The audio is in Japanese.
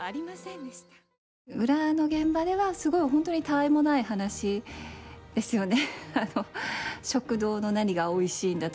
裏の現場ではすごい本当にたわいもない話ですよね。